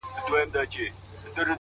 چوپ پاته كيږو نور زموږ خبره نه اوري څوك؛